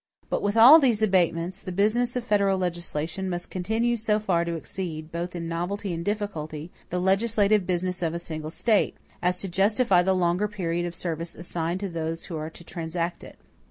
But with all these abatements, the business of federal legislation must continue so far to exceed, both in novelty and difficulty, the legislative business of a single State, as to justify the longer period of service assigned to those who are to transact it.